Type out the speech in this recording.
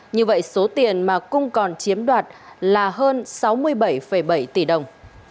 như vậy số tiền mà cung còn chiếm đoạt là hơn sáu mươi bảy bảy tỷ đồng